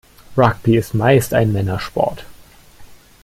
Rugby ist meist ein Männersport.